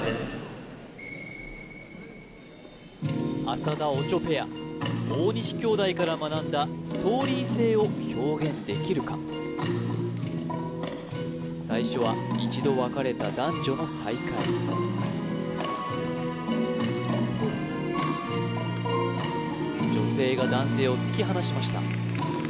浅田・オチョペア大西兄妹から学んだストーリー性を表現できるか最初は一度別れた男女の再会女性が男性を突き放しました